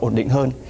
ổn định hơn